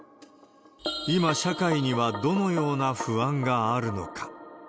今、社会にはどのような不安があるのか。